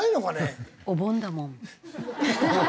お盆だもん。